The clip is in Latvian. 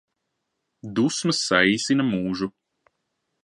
Dusmas saīsina mūžu